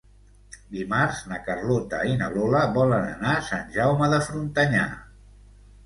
Dimarts na Carlota i na Lola volen anar a Sant Jaume de Frontanyà.